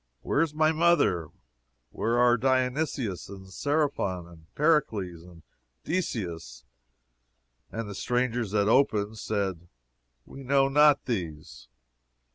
Where is my mother? Where are Dionysius and Serapion, and Pericles, and Decius? And the strangers that opened said, We know not these.